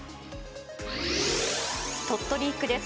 鳥取１区です。